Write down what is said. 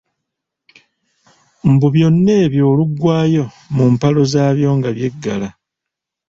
Mbu byonna ebyo oluggwaayo mu mpalo zaabyo nga byeggala.